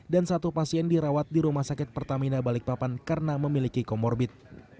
dan satu pasien dirawat di rumah sakit pertamina balikpapan karena memiliki komorbit